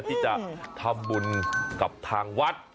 ที่จะทำบุญกับทางวัด